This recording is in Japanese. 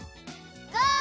ゴー！